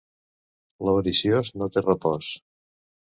L'avariciós no té repòs.